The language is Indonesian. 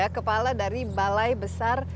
kepala dari balai besar